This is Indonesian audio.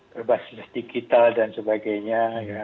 berbasis digital dan sebagainya